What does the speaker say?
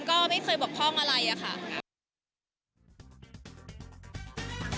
ก็ไม่เคยบกพร่องอะไรอะค่ะ